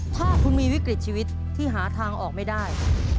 ถ้าคุณมีวิกฤตชีวิตที่หาทางออกไม่ได้